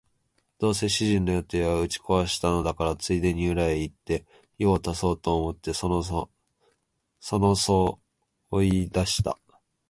どうせ主人の予定は打ち壊したのだから、ついでに裏へ行って用を足そうと思ってのそのそ這い出した